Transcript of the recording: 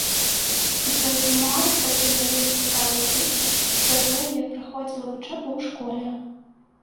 У сваіх мемуарах пакінуў вельмі цікавыя звесткі пра тое, як праходзіла вучоба ў школе.